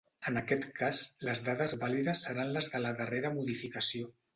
En aquest cas les dades vàlides seran les de la darrera modificació.